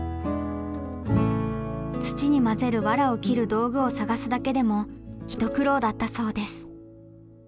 土にまぜるワラを切る道具を探すだけでも一苦労だったそうです。